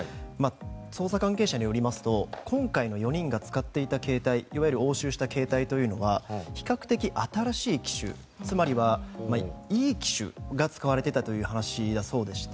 捜査関係者によりますと今回の４人が使っていた携帯いわゆる押収した携帯というのは比較的新しい機種つまりは、いい機種が使われていたという話でして。